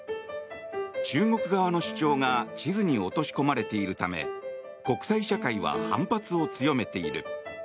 中国側の主張が地図に落とし込まれているため国際社会は反発を強めている。